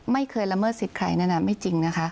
ไม่เคยละเมิดสิทธิ์ใครนั่นน่ะไม่จริงนะคะ